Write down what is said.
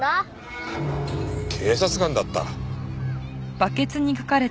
警察官だった。